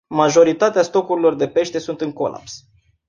Majoritatea stocurilor de pește sunt în colaps.